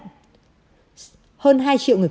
hơn hai triệu người cuba đã được tiêm vaccine